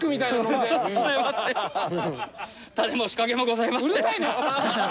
タネも仕掛けもございません。